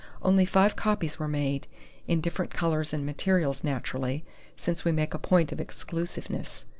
Only five copies were made in different colors and materials, naturally, since we make a point of exclusiveness.